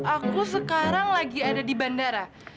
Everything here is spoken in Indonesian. aku sekarang lagi ada di bandara